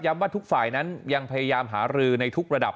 ว่าทุกฝ่ายนั้นยังพยายามหารือในทุกระดับ